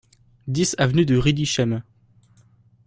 dix avenue de Riedisheim